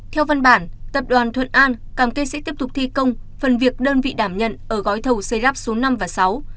theo văn bản tập đoàn thuận an cam kết sẽ tiếp tục thi công phần việc đơn vị đảm nhận ở gói thầu xây lắp số năm và sáu